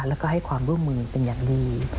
แล้วก็ให้ความร่วมมือเป็นอย่างดี